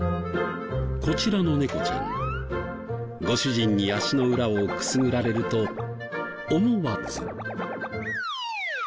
こちらの猫ちゃんご主人に足の裏をくすぐられると思わず。